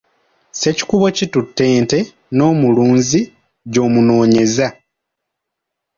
Ssekikubo kitutte ente, n’omulunzi gy’omunoonyeza.